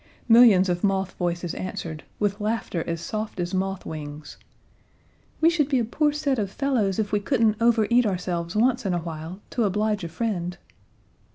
Millions of moth voices answered, with laughter as soft as moth wings, "We should be a poor set of fellows if we couldn't over eat ourselves once in a while to oblige a friend."